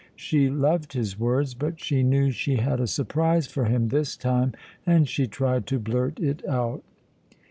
She loved his words, but she knew she had a surprise for him this time, and she tried to blurt it out.